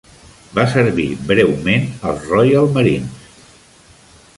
Va servir breument als Royal Marines.